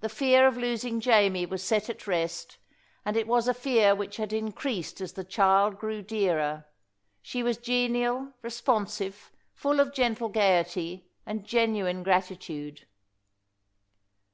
The fear of losing Jamie was set at rest, and it was a fear which had increased as the child grew dearer. She was genial, responsive, full of gentle gaiety and genuine gratitude.